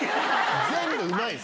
全部うまいっす。